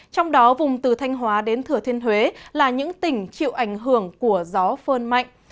trong đó vùng từ thanh hóa đến thừa thiên huế là những tỉnh chịu ảnh hưởng của gió phơn mạnh